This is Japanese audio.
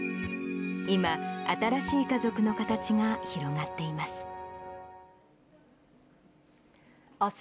今、新しい家族の形が広がっています。